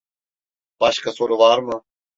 Başka soru var mı?